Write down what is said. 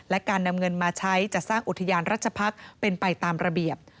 และการนำเงินมาใช้จะสร้างอุทยานราชพักษ์เป็นไปตามระเบียบ